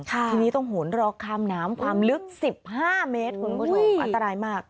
ทีนี้ต้องโหนรอข้ามน้ำความลึก๑๕เมตรคุณผู้ชมอันตรายมาก